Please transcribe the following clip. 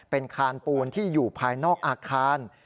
เป็นคานปูนที่อยู่ภายนอกอาคาร